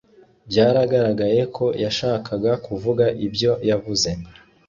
Byaragaragaye ko yashakaga kuvuga ibyo yavuze